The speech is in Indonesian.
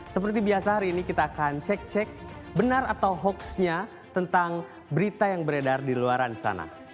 seperti biasa hari ini kita akan cek cek benar atau hoaxnya tentang berita yang beredar di luaran sana